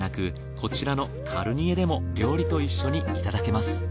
こちらのかるにえでも料理と一緒にいただけます。